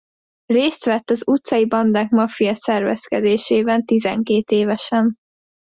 Részt vett az utcai bandák maffia szervezkedésében tizenkét évesen.